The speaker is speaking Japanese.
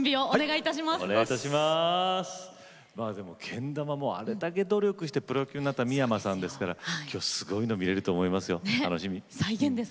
けん玉もあれだけ努力してプロ級になった三山さんですから今日、すごいの見れると思いますよ。